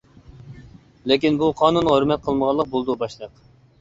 -لېكىن بۇ قانۇنغا ھۆرمەت قىلمىغانلىق بولىدۇ باشلىق.